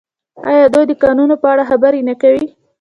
آیا دوی د کانونو په اړه خبرې نه کوي؟